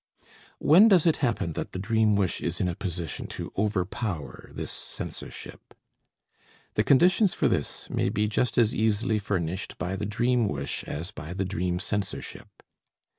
When does it happen that the dream wish is in a position to overpower this censorship? The conditions for this may be just as easily furnished by the dream wish as by the dream censorship.